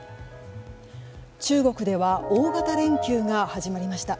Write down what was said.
中国では大型連休が始まりました。